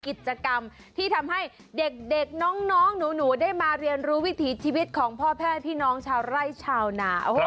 กิจกรรมที่ทำให้เด็กน้องหนูได้มาเรียนรู้วิถีชีวิตของพ่อแม่พี่น้องชาวไร่ชาวนา